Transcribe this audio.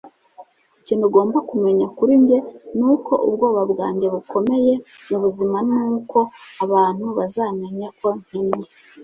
Ikintu ugomba kumenya kuri njye nuko ubwoba bwanjye bukomeye mubuzima nuko abantu bazamenya ko nkennye.